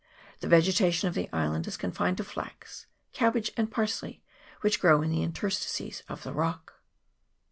The vegetation of the island is con fined to flax, cabbage, and parsley, which grow in the interstices of the rock.